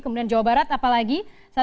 kemudian jawa barat apalagi